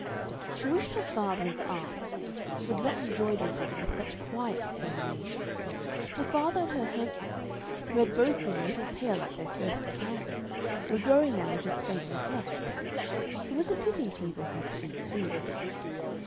She wished her father and aunt would not enjoy their dinner with such quiet determination. Her father and her husband, who had both been a little pale at their first encounter, were growing now just faintly flushed. It was a pity people had to eat food.